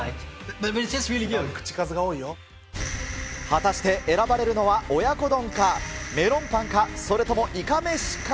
果たして、選ばれるのは親子丼か、メロンパンか、それともいかめしか。